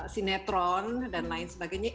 sinetron dan lain sebagainya